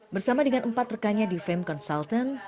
bersama dengan empat rekannya di fem consultant